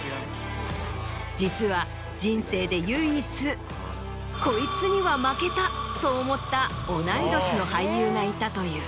実は人生で唯一こいつには負けた！と思った同い年の俳優がいたという。